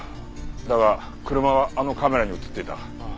だが車はあのカメラに映っていた。